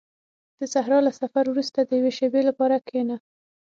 • د صحرا له سفر وروسته د یوې شېبې لپاره کښېنه.